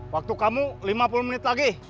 waktu kamu lima puluh menit lagi